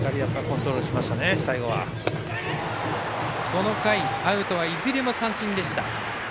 この回、アウトはいずれも三振でした。